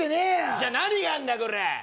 じゃあ何があんだコラ